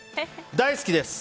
大好きです！